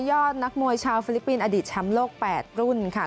ยอดนักมวยชาวฟิลิปปินส์อดีตแชมป์โลก๘รุ่นค่ะ